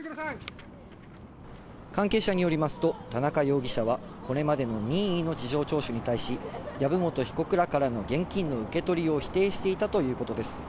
関係者によりますと、田中容疑者はこれまでの任意の事情聴取に対し、籔本被告らからの現金の受け取りを否定していたということです。